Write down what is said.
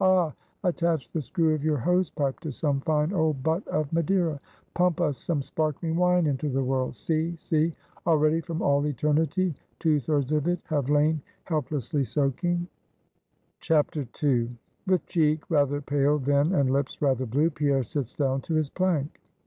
Ah! attach the screw of your hose pipe to some fine old butt of Madeira! pump us some sparkling wine into the world! see, see, already, from all eternity, two thirds of it have lain helplessly soaking! II. With cheek rather pale, then, and lips rather blue, Pierre sits down to his plank.